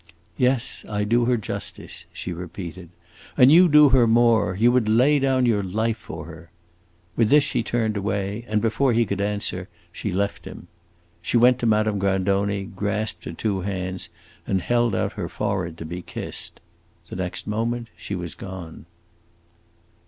"Yes, I do her justice," she repeated. "And you do her more; you would lay down your life for her." With this she turned away, and before he could answer, she left him. She went to Madame Grandoni, grasped her two hands, and held out her forehead to be kissed. The next moment she was gone.